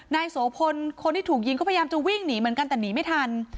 โสพลคนที่ถูกยิงก็พยายามจะวิ่งหนีเหมือนกันแต่หนีไม่ทัน